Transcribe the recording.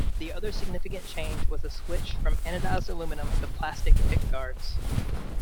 The other significant change was a switch from anodized aluminum to plastic pickguards.